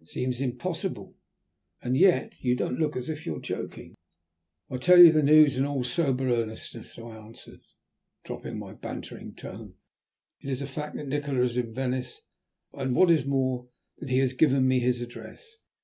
"It seems impossible, and yet you don't look as if you were joking." "I tell you the news in all sober earnestness," I answered, dropping my bantering tone. "It is a fact that Nikola is in Venice, and, what is more, that he has given me his address.